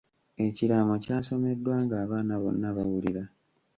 Ekiraamo kyasomeddwa ng'abaana bonna bawulira.